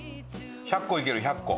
１００個いける１００個。